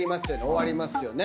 終わりますよね。